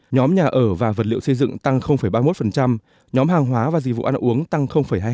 nhóm nhà ở và vật liệu xây dựng tăng ba mươi một nhóm hàng hóa và dịch vụ ăn uống tăng hai mươi hai